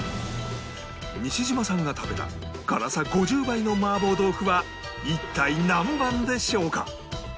西島さんが食べた辛さ５０倍の麻婆豆腐は一体何番でしょうか？